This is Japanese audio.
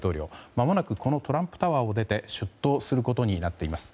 まもなくこのトランプタワーを出て出頭することになっています。